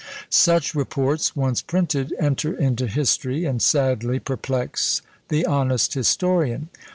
Such reports, once printed, enter into history, and sadly perplex the honest historian.